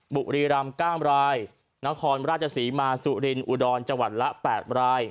บุรีรำ๙รายนครราชศรีมาสุรินอุดรจังหวัดละ๘ราย